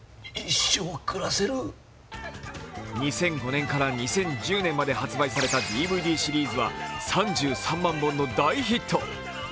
２００５年から２０１０年まで発売されたＤＶＤシリーズは３３万本の大ヒット。